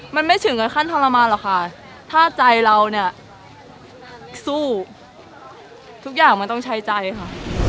มันไม่ถึงกับขั้นทรมานหรอกค่ะถ้าใจเราเนี่ยสู้ทุกอย่างมันต้องใช้ใจค่ะ